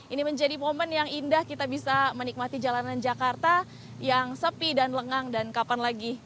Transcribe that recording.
ini menjadi momen yang indah kita bisa menikmati jalanan jakarta yang sepi dan lengang dan kapan lagi